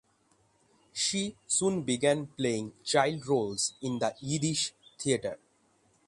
She soon began playing child roles in the Yiddish Theatre.